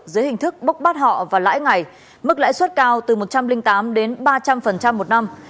dưới hình thức bốc bắt họ và lãi ngày mức lãi suất cao từ một trăm linh tám đến ba trăm linh một năm